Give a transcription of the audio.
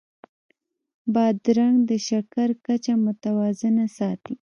بادرنګ د شکر کچه متوازنه ساتي.